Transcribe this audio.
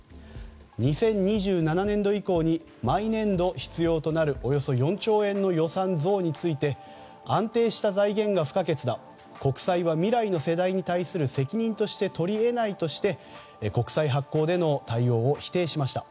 ２０２７年度以降に毎年度、必要となるおよそ４兆円の予算増について安定した財源が不可欠だ国債は未来の世代に対する責任として取り得ないとして国債発行での対応を否定しました。